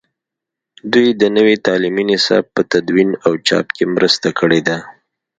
دوی د نوي تعلیمي نصاب په تدوین او چاپ کې مرسته کړې ده.